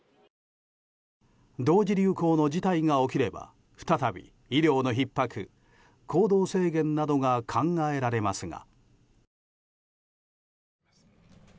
同時流行の事態が起きれば再び医療のひっ迫行動制限などが考えられますが。